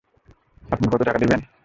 আপনি কত টাকা দিবেন?